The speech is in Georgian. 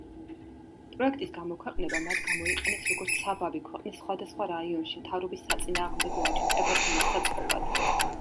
პროექტის გამოქვეყნება მათ გამოიყენეს როგორც საბაბი ქვეყნის სხვადასხვა რაიონში მთავრობის საწინააღმდეგო აჯანყებათა მოსაწყობად.